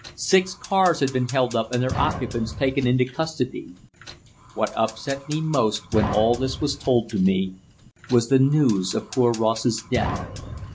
Six cars had been held up and their occupants taken into custody. What upset me most, when all this was told to me, was the news of poor Ross's death.